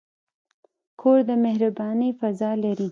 کور د مهربانۍ فضاء لري.